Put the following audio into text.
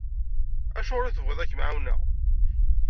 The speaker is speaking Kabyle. Acuɣer i tebɣiḍ ad kem-ɛiwneɣ?